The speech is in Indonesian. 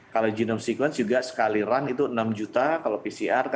kalau genome sequencing juga sekaliran itu enam juta kalau pcr